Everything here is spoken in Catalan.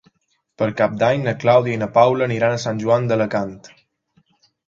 Per Cap d'Any na Clàudia i na Paula aniran a Sant Joan d'Alacant.